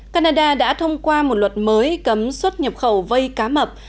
canada đã thông qua một luật mới cấm xuất nhập khẩu vây cá mập